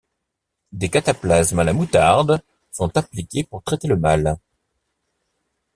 Des cataplasme à la moutarde sont appliqués pour traiter le mal.